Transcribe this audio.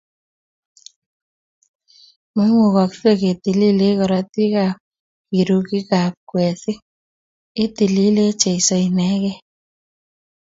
Maimukasgei ketililech korotik ab kirugikak kwesik, itililech ab Jeso inekei